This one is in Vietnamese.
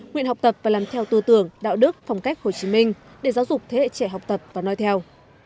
nguyện học tập và làm theo tư tưởng đạo đức phong cách hồ chí minh để giáo dục thế hệ trẻ học tập và nói theo